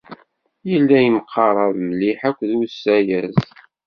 Yella yemqarab mliḥ akked uzayez.